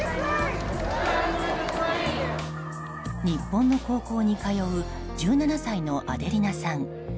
日本の高校に通う１７歳のアデリナさん。